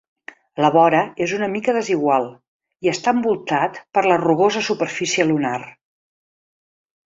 La vora és una mica desigual, i està envoltat per la rugosa superfície lunar.